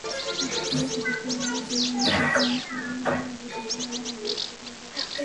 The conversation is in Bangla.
লক্ষ্মীপুরের কথিত গড়ফাদার পৌর মেয়র আবু তাহেরের নানা কর্মকাণ্ড তুলে ধরা হয়।